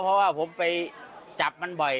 เพราะว่าผมไปจับมันบ่อย